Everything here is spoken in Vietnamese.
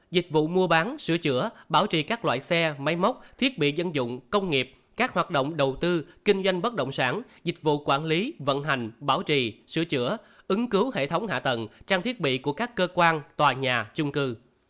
dịch vụ mua bán sửa chữa bảo trì các loại xe máy móc thiết bị dân dụng công nghiệp các hoạt động đầu tư kinh doanh bất động sản dịch vụ quản lý vận hành bảo trì sửa chữa ứng cứu hệ thống hạ tầng trang thiết bị của các cơ quan tòa nhà chung cư